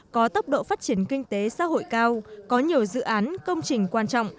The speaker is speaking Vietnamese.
có tốc độ phát triển kinh tế xã hội cao có nhiều dự án công trình quan trọng